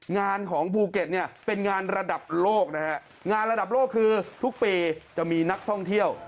งานของภูเก็ตเนี่ยเป็นงานระดับโลกนะฮะงานระดับโลกคือทุกปีจะมีนักท่องเที่ยว